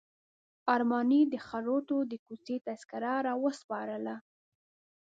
ارماني د خروټو د کوڅې تذکره راوسپارله.